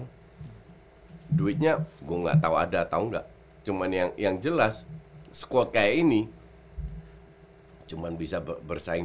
hai duitnya gua nggak tahu ada atau enggak cuman yang yang jelas skuot kayak ini cuman bisa bersaing